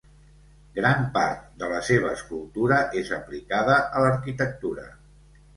Gran part de la seva escultura és aplicada a l'arquitectura.